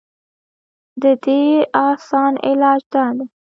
د دې اسان علاج دا دے